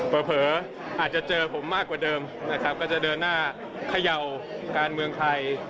เผลออาจจะเจอผมมากกว่าเดิมนะครับก็จะเดินหน้าเขย่าการเมืองไทย